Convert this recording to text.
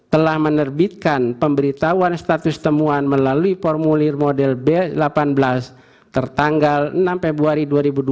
telah menerbitkan pemberitahuan status temuan melalui formulir model b delapan belas tertanggal enam februari